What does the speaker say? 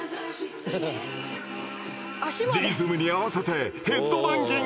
リズムに合わせてヘッドバンギング！